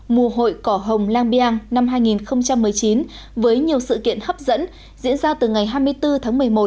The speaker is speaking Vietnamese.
mùa hội cỏ hồng lang biang năm hai nghìn một mươi chín với nhiều sự kiện hấp dẫn diễn ra từ ngày hai mươi bốn tháng một mươi một